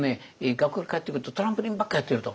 学校から帰ってくるとトランポリンばっかやってると。